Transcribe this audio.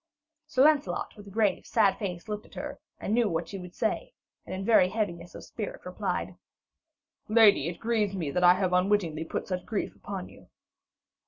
Sir Lancelot with grave sad face looked at her and knew what she would say, and in very heaviness of spirit replied: 'Lady, it grieves me that I have unwittingly put such grief upon you.'